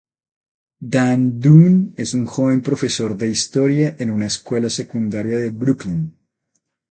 Dan Dunne es un joven profesor de historia en una escuela secundaria de Brooklyn.